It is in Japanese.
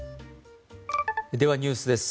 では、ニュースです。